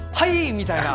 みたいな。